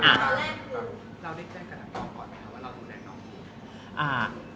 เราได้แจ้งกับทางตองก่อนไหมคะว่าเราดูแลน้องดี